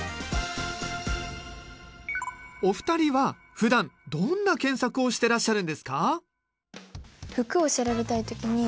お二人はふだんどんな検索をしてらっしゃるんですか？